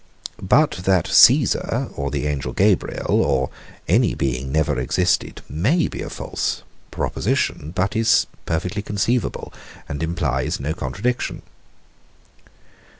But that Caesar, or the angel Gabriel, or any being never existed, may be a false proposition, but still is perfectly conceivable, and implies no contradiction.